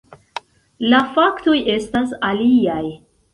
La faktoj estas aliaj.